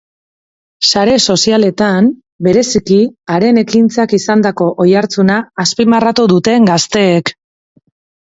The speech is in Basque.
Sare sozialetan, bereziki, haren ekintzak izandako oihartzuna azpimarratu dute gazteek.